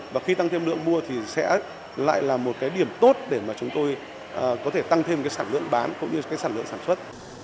và khi tăng thêm lượng mua thì sẽ lại là một điểm tốt để chúng tôi có thể tăng thêm sản lượng bán cũng như sản lượng sản xuất